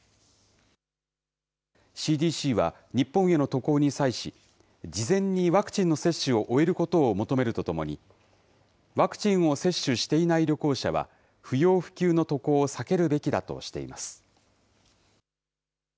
ＣＤＣは、日本への渡航に際し、事前にワクチンの接種を終えることを求めるとともに、ワクチンを接種していない旅行者は、不要不急の渡航を避けるべきだとしています。